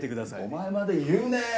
お前まで言うねえ。